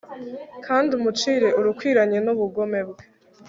kandi umucire urukwiranye n'ubugome bwe